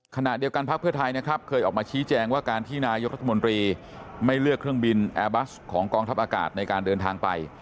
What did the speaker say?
ขณะเดียวกันพักเพื่อไทยนะครับเคยออกมาชี้แจงว่าการที่นายกรัฐมนตรีไม่เลือกเครื่องบินแอร์บัสของกองทัพอากาศในการเดินทางไป